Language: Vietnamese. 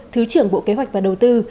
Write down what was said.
thứ trưởng bộ kế hoạch và đầu tư